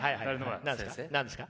何ですか？